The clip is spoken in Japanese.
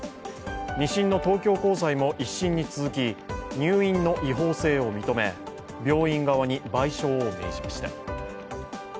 ２審の東京高裁も１審に続き入院の違法性を認め病院側に賠償を命じました。